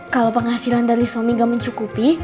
kalau penghasilan dari suami gak mencukupi